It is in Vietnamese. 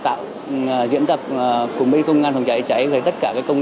xảy ra trong các khu công nghiệp gây thiệt hại lớn